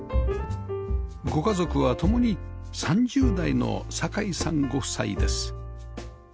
ご家族は共に３０代の堺さんご夫妻です